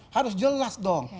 harus jelas dong